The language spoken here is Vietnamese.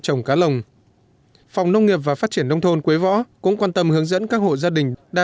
chồng cá lồng phòng nông nghiệp và phát triển nông thôn quế võ cũng quan tâm hướng dẫn các hộ gia